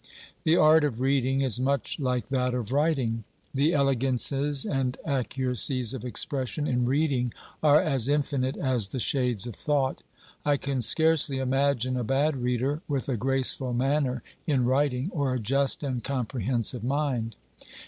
The art of reading is much like that of writing. The elegances and accuracies of expression in reading are as infinite as the shades of thought. I can scarcely imagine a bad reader with a graceful manner in writing or a just and comprehensive mind.